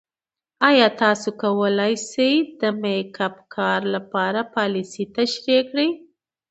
ایا تاسو کولی شئ د میک اپ کار لپاره پالیسۍ تشریح کړئ؟